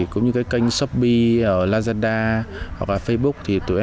cũng như kênh shopee ở lazada hoặc là facebook